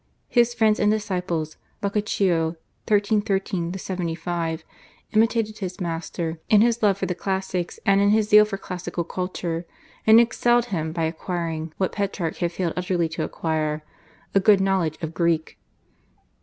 His friend and disciple, Boccaccio (1313 75), imitated his master in his love for the classics and in his zeal for classical culture, and excelled him by acquiring, what Petrarch had failed utterly to acquire, a good knowledge of Greek.